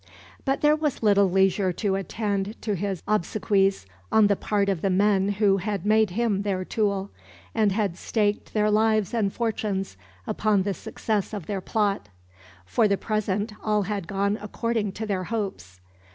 But there was little leisure to attend to his obsequies on the part of the men who had made him their tool, and had staked their lives and fortunes upon the success of their plot. For the present all had gone according to their hopes.